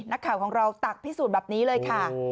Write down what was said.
นักข่าวของเราตักพิสูจน์แบบนี้เลยค่ะ